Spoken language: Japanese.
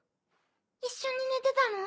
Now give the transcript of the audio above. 一緒に寝てたの？